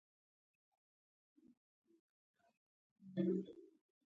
ما له کابله څو کتابونه ډالۍ وړي وو.